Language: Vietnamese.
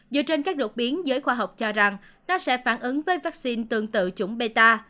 dựa trên các đột biến giới khoa học cho rằng nó sẽ phản ứng với vaccine tương tự chủng peta